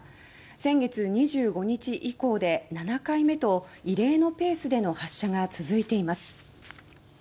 先月２５日以降で７回目と異例のペースでの発射が続いています。